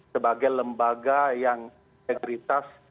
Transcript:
sebagai lembaga yang integritas